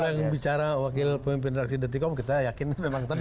yang bicara wakil pemimpin raksi dtk kita yakin memang tenang